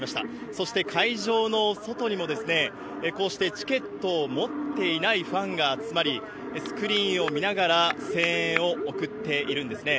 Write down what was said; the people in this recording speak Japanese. そして、会場の外にも、こうしてチケットを持っていないファンが集まり、スクリーンを見ながら声援を送っているんですね。